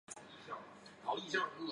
大家察觉到她状况有异